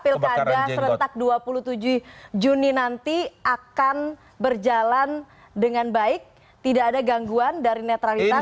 pemerintah bisa menjamin bahwa pilkada serentak dua puluh tujuh juni nanti akan berjalan dengan baik tidak ada gangguan dari netralitas tni polri